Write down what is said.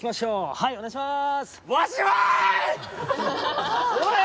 はいお願いします！